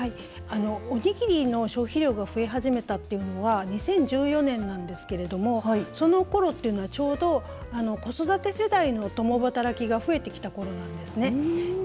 おにぎりの消費量が増え始めたというのは２０１４年なんですけどもそのころっていうのはちょうど子育て世代の共働きが増えてきたころなんですね。